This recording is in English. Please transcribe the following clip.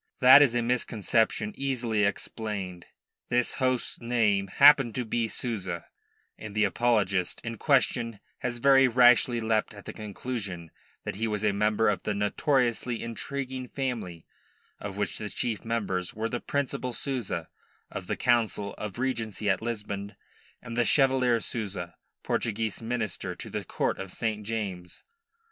That is a misconception easily explained. This host's name happened to be Souza, and the apologist in question has very rashly leapt at the conclusion that he was a member of that notoriously intriguing family, of which the chief members were the Principal Souza, of the Council of Regency at Lisbon, and the Chevalier Souza, Portuguese minister to the Court of St. James's.